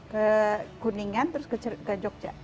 ke kuningan terus ke jogja